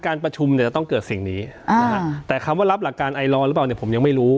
การประชุมเนี่ยจะต้องเกิดสิ่งนี้แต่คำว่ารับหลักการไอลอหรือเปล่าเนี่ยผมยังไม่รู้